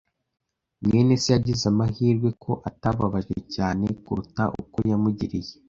mwene se yagize amahirwe ko atababajwe cyane kuruta uko yamugiriye.